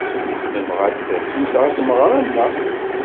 Nebɣa ad d-tasemt ɣer tmeɣra-nneɣ.